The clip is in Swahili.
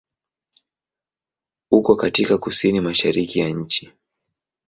Uko katika kusini-mashariki ya nchi.